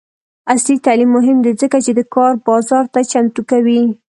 عصري تعلیم مهم دی ځکه چې د کار بازار ته چمتو کوي.